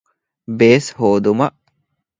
ބޭސް ހޯދުމަށް